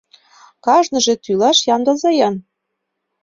— Кажныже тӱлаш ямдылыза-ян.